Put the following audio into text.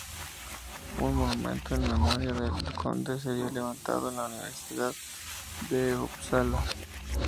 Un monumento en memoria del conde sería levantado en la Universidad de Upsala.